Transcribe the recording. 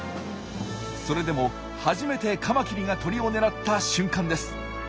それでも初めてカマキリが鳥を狙った瞬間です。